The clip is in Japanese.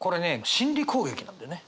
心理攻撃なんだよね。